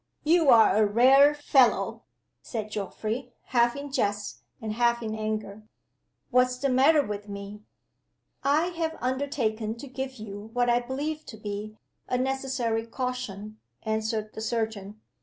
"You are a rare fellow!" said Geoffrey, half in jest and half in anger. "What's the matter with me?" "I have undertaken to give you, what I believe to be, a necessary caution," answered the surgeon.